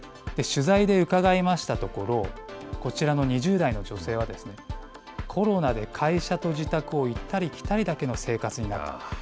取材でうかがいましたところ、こちらの２０代の女性は、コロナで会社と自宅を行ったり来たりするだけの生活になった。